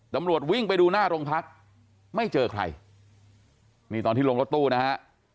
ตำรวจวิ่งไปดูหน้าโรงพักไม่เจอใครนี่ตอนที่ลงรถตู้นะฮะ